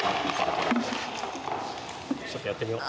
ちょっとやってみよう。